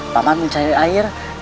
paman mencari air